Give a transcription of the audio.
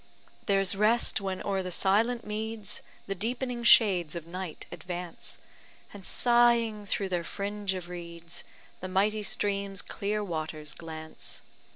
There's rest when o'er the silent meads The deepening shades of night advance; And sighing through their fringe of reeds, The mighty stream's clear waters glance.